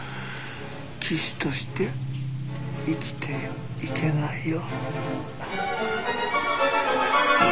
騎手として生きていけないよ。